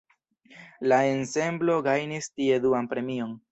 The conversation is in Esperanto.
La ensemblo gajnis tie duan premion.